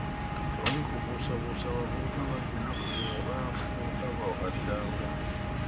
Tewali kubuusabuusa abavubuka bangi ennaku zino baafuuka bawaddanga.